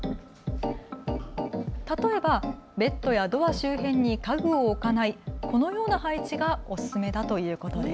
例えばベッドやドア周辺に家具を置かないこのような配置がおすすめだということです。